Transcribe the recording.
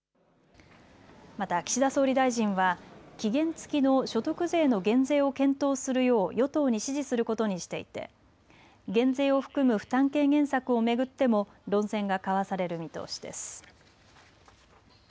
また岸田総理大臣は期限付きの所得税の減税を検討するよう与党に指示することにしていて減税を含む負担軽減策を巡っても論戦が交わされる見通しです。